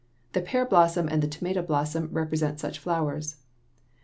The pear blossom and the tomato blossom represent such flowers.